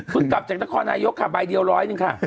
เพิ่งกลับจากนักคอร์นายกค่ะใบเดียว๑๐๐นึงค่ะ